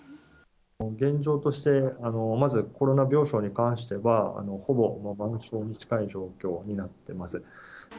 現状として、まずコロナ病床に関しては、ほぼ満床に近い状況になってます。